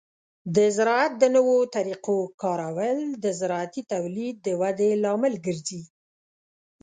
د زراعت د نوو طریقو کارول د زراعتي تولید د ودې لامل ګرځي.